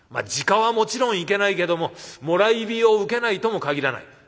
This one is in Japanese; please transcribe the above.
自火はもちろんいけないけどももらい火を受けないとも限らない。